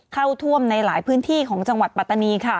เข้าท่วมในหลายพื้นที่ของจังหวัดปัตตานีค่ะ